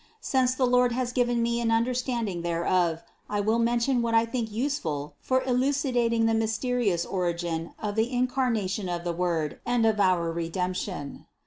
Since the Lord has given me an understand ing thereof, I will mention what I think useful for eluci dating the mysterious origin of the Incarnation of the Word and of our Redemption.